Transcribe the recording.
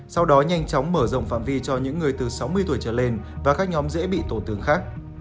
sau đó nhanh chóng mở rộng phạm vi cho những người từ sáu mươi tuổi trở lên và các nhóm dễ bị tổ tướng khác